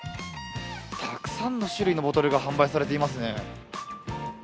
たくさんの種類のボトルが販売されていますね。